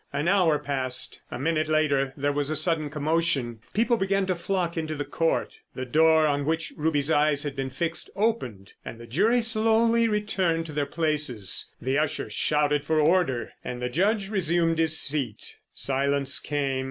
An hour passed. A minute later there was a sudden commotion. People began to flock into the Court. The door on which Ruby's eyes had been fixed opened, and the jury slowly returned to their places. The usher shouted for order, and the Judge resumed his seat. Silence came.